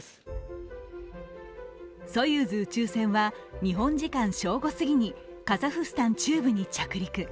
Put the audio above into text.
ソユーズ宇宙船は日本時間正午すぎにカザフスタン中部に着陸。